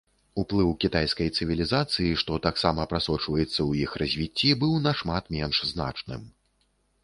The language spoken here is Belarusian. Уплыў кітайскай цывілізацыі, што таксама прасочваецца ў іх развіцці, быў нашмат менш значным.